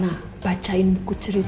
nanti oma akan dongengin rena